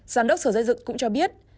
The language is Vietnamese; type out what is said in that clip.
giám đốc sở giới dự cũng cho biết